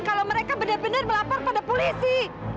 kalau mereka benar benar melapor pada polisi